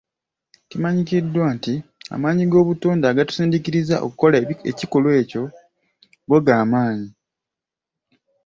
Kimanyiddwa nti amaanyi g'obutonde agatusindiikiriza okukola ekikolwa ekyo go gamaanyi.